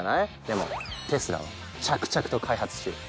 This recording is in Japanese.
でもテスラは着々と開発中。